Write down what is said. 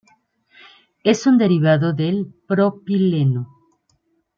Es un derivado del Propileno.